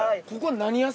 ここ。